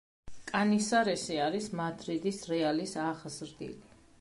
კანისარესი არის მადრიდის „რეალის“ აღზრდილი.